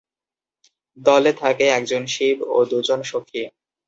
দলে থাকে একজন শিব ও দু'জন সখী।